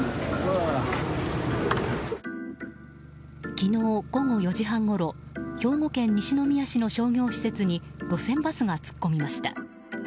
昨日午後４時半ごろ兵庫県西宮市の商業施設に路線バスが突っ込みました。